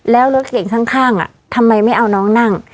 แล้วรถเก่งข้างทำไมไม่เอาน้องนั่ง